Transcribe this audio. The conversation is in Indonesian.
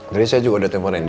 jadi saya juga udah tempoh randy